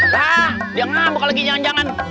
lah dia ngamuk lagi jangan jangan